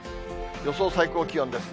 予想最高気温です。